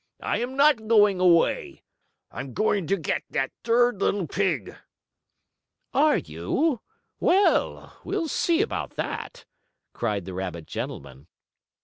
"I am not going away. I am going to get that third little pig!" "Are you? Well, we'll see about that!" cried the rabbit gentleman.